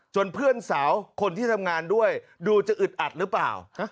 เพื่อนสาวคนที่ทำงานด้วยดูจะอึดอัดหรือเปล่า